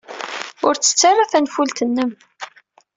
Ur ttettu ara tanfult-nnem.